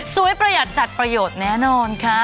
ประหยัดจัดประโยชน์แน่นอนค่ะ